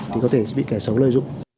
thì có thể bị kẻ xấu lợi dụng